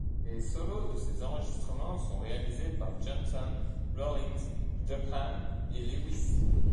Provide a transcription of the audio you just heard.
Les solos de ces enregistrements sont réalisés par Johnson, Rollins, Dorham et Lewis.